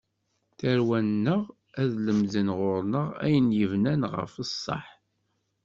Tarwa-nneɣ ad lemden ɣur-neɣ, ayen yebnan ɣef ṣṣaḥ.